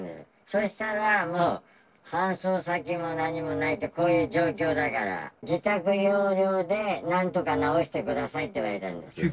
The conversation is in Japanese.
そしたらもう搬送先も何もないと、こういう状況だから、自宅療養でなんとか治してくださいって言われたんですよ。